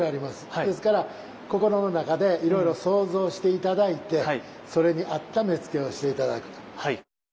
ですから心の中でいろいろ想像して頂いてそれに合った目付をして頂くと。